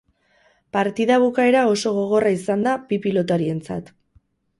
Partida bukaera oso gogorra izan da bi pilotarientzat.